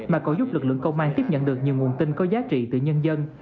mà còn giúp lực lượng công an tiếp nhận được nhiều nguồn tin có giá trị từ nhân dân